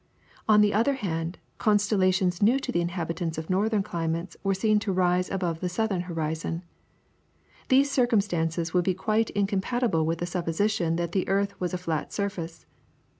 On the other hand, constellations new to the inhabitants of northern climes were seen to rise above the southern horizon. These circumstances would be quite incompatible with the supposition that the earth was a flat surface.